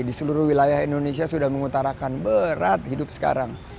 di seluruh wilayah indonesia sudah mengutarakan berat hidup sekarang